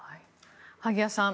萩谷さん